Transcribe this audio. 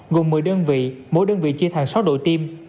gồm một mươi đơn vị mỗi đơn vị chia thành sáu đội tiêm